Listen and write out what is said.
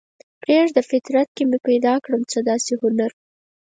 پریږده فطرت کې مې پیدا کړمه څه داسې هنر